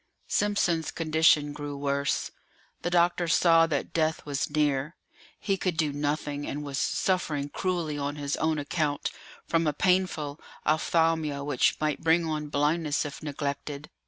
Simpson's condition grew worse; the doctor saw that death was near. He could do nothing, and was suffering cruelly on his own account from a painful ophthalmia which might bring on blindness if neglected.